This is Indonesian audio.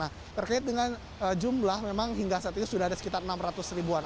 nah terkait dengan jumlah memang hingga saat ini sudah ada sekitar enam ratus ribuan